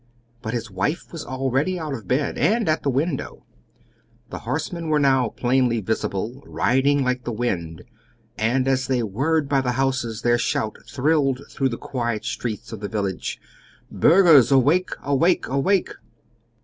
But his wife was already out of bed, and at the window. The horsemen were now plainly visible, riding like the wind, and as they whirled by the houses their shout thrilled through the quiet streets of the village: "Burghers, awake! Awake! Awake!"